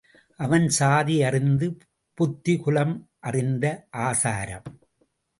அவன் சாதி அறிந்த புத்தி, குலம் அறிந்த ஆசாரம்.